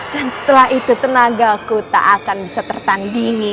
dan setelah itu tenaga aku tak akan bisa tertandingi